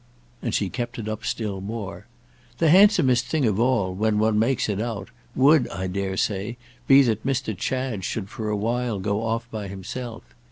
And she kept it up still more. "The handsomest thing of all, when one makes it out, would, I dare say, be that Mr. Chad should for a while go off by himself.